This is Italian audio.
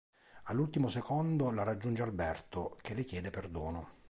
All'ultimo secondo la raggiunge Alberto, che le chiede perdono.